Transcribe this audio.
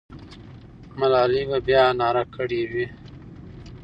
ملالۍ به بیا ناره کړې وي.